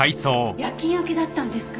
夜勤明けだったんですか？